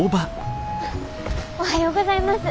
おはようございます。